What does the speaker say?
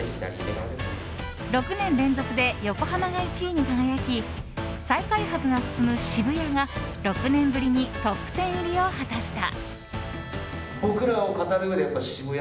６年連続で横浜が１位に輝き再開発が進む渋谷が、６年ぶりにトップ１０入りを果たした。